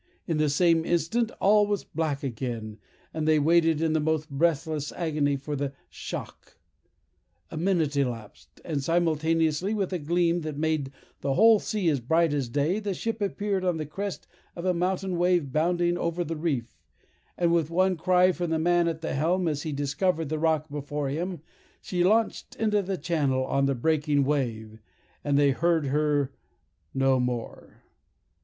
In the same instant all was black again, and they waited in the most breathless agony for the shock. A minute elapsed, and simultaneously, with a gleam that made the whole sea as bright as day, the ship appeared on the crest of a mountain wave bounding over the reef, and with one cry from the man at the helm, as he discovered the rock before him, she launched into the channel on the breaking wave, and they heard her no more.